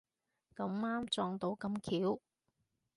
咁啱撞到咁巧